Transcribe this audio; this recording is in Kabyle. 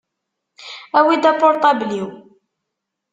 Awi-d apurṭabl-iw.